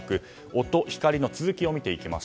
音、光の続きを見ていきます。